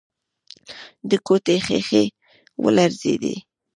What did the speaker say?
د کوټې ښيښې ولړزېدې.